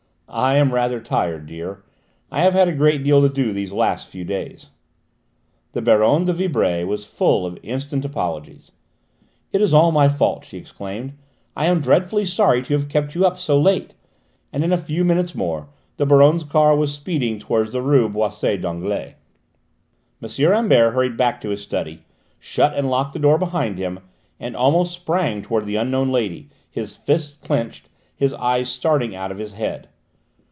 "I am rather tired, dear. I have had a great deal to do these last few days." The Baronne de Vibray was full of instant apologies. "It is all my fault," she exclaimed. "I am dreadfully sorry to have kept you up so late," and in a few minutes more the Baronne's car was speeding towards the rue Boissy d'Anglais. M. Rambert hurried back to his study, shut and locked the door behind him, and almost sprang towards the unknown lady, his fists clenched, his eyes starting out of his head.